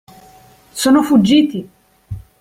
Sono fuggiti!